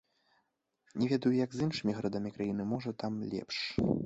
Не ведаю, як з іншымі гарадамі краіны, можа, там лепш.